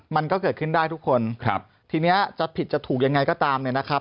มันก็เกิดขึ้นได้ทุกคนครับทีนี้จะผิดจะถูกยังไงก็ตามเนี่ยนะครับ